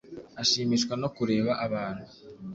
ashimishwa no kureba abantu